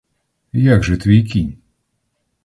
Як же твій кінь?